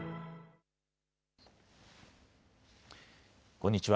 こんにちは。